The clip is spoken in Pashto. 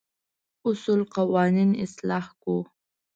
اصول قوانين اصلاح کړو.